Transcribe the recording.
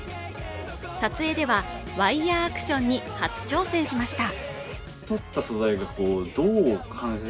撮影ではワイヤーアクションに初挑戦しました。